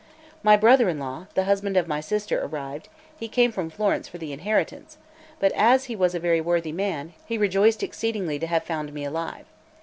My brother in law, the husband of my sister, arrived; he came from Florence for the inheritance; but as he was a very worthy man, he rejoiced exceedingly to have found me alive.